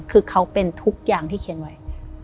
คือเขาเป็นทุกอย่างที่เขียนไว้